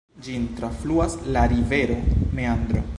Ĝin trafluas la rivero Meandro.